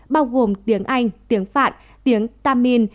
bao gồm tiếng anh tiếng phạn tiếng tamin